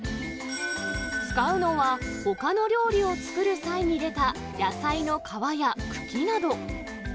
使うのは、ほかの料理を作る際に出た野菜の皮や茎など。